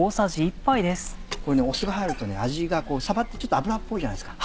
酢が入ると味がさばってちょっと脂っぽいじゃないですか。